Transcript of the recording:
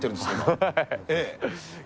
はい。